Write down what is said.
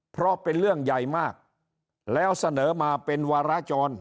เพราะเป็นเรื่องใหญ่มากแล้วเสนอมาเป็นวาราจร